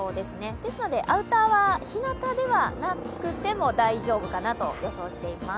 ですのでアウターは日なたではなくても大丈夫かなと思います。